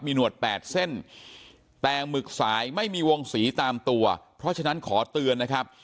หนวดแปดเส้นแต่หมึกสายไม่มีวงสีตามตัวเพราะฉะนั้นขอเตือนนะครับ